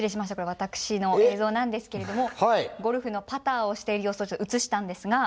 私の映像なんですけれどもゴルフのパターをしている様子を映したんですが。